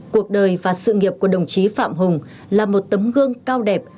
cuộc đời và sự nghiệp của đồng chí phạm hùng là một tấm gương cao đẹp